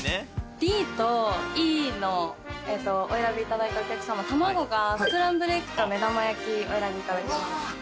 ＤとＥのお選びいただいたお客さま卵がスクランブルエッグと目玉焼きお選びいただけます。